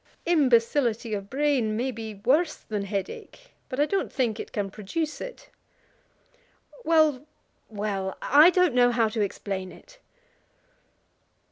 "Imbecility of brain may be worse than headache, but I don't think it can produce it." "Well, well; I don't know how to explain it."